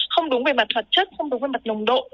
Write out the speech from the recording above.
không đúng bề mặt hoạt chất không đúng bề mặt nồng độ